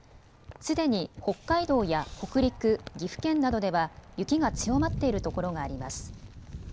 すでに北海道や北陸、岐阜県などでは雪が強まっているところがあります。